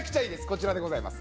こちらでございます。